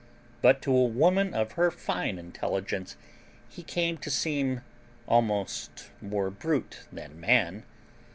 But to a woman of her fine intelligence he came to seem almost more brute than man.